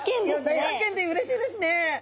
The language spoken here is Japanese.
大発見でうれしいですね。